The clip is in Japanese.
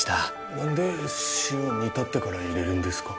何で塩煮立ってから入れるんですか？